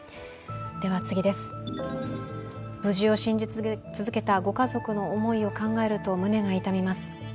無事を信じ続けたご家族の思いを考えると胸が痛みます。